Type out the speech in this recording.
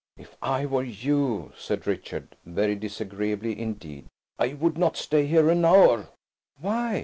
"If I were you," said Richard, very disagreeably indeed, "I would not stay here an hour." "Why?